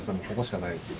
ここしかない。